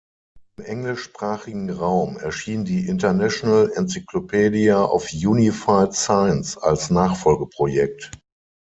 Im englischsprachigen Raum erschien die International Encyclopedia of Unified Science als Nachfolgeprojekt.